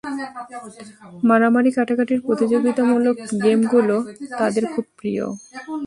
মারামারি কাটাকাটির প্রতিযোগিতামূলক গেমগুলো তাদের খুব প্রিয়।